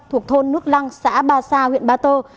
thuộc thôn nút lăng xã ba sa huyện ba tơ